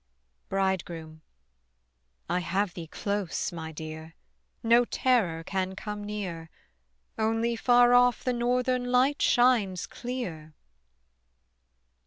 BRIDEGROOM. I have thee close, my dear, No terror can come near; Only far off the northern light shines clear.